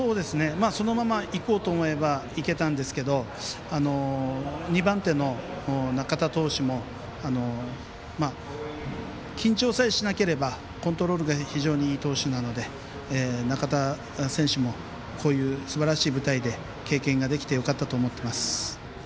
そのままいこうと思えばいけたんですけど２番手の中田投手も緊張さえしなければコントロールが非常にいい投手なので中田選手もこういうすばらしい舞台で経験ができてよかったと思っています。